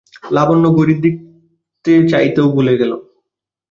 লাবণ্য ঘড়ির দিকে চাইতেও ভুলে গেল।